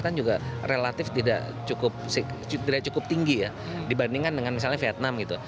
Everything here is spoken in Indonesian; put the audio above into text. kan juga relatif tidak cukup tinggi ya dibandingkan dengan misalnya vietnam gitu